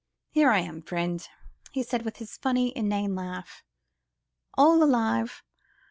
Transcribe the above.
"Here I am, friend," he said with his funny, inane laugh, "all alive!